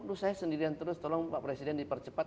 lu saya sendirian terus tolong pak presiden dipercepat